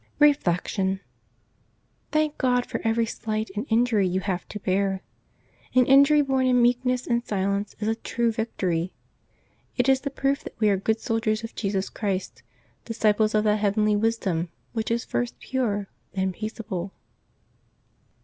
Reflection. — Thank God for every slight and injury you have to bear. An injury borne in meekness and silence is Septembeb 24] LIVES OF THE SAINTS 321 a true victory. It is the proof that we are good soldiers of Jesus Christ, disciples of that heavenly wisdom which is first pure, then peaceable.